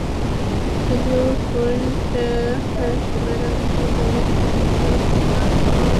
শুধু কনুইটা তুলে রাখো, বলের দিকে চোখ, আর বলটা উড়িয়ে দাও।